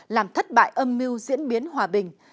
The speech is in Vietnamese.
làm thất bại âm mưu diễn biến hòa bình